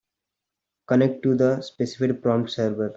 Connect to the specified prompt server.